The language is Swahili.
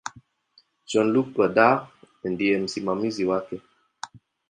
Jean-Luc Godard ndiye msimamizi wake.